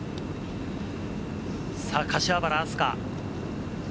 柏原明日架。